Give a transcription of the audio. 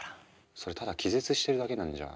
それただ気絶してるだけなんじゃ。